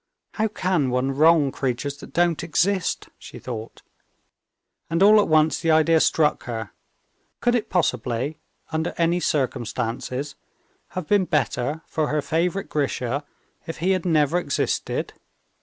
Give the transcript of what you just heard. "How can one wrong creatures that don't exist?" she thought. And all at once the idea struck her: could it possibly, under any circumstances, have been better for her favorite Grisha if he had never existed?